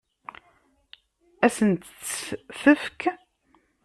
Ad sent-tt-tefk?